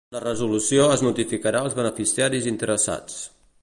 La resolució es notificarà als beneficiaris interessats.